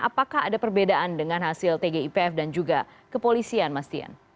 apakah ada perbedaan dengan hasil tgipf dan juga kepolisian mas dian